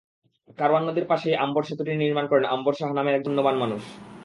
কারওয়ান নদীর পাশেই আম্বর সেতুটি নির্মাণ করেন আম্বর শাহ নামে একজন পুণ্যবান মানুষ।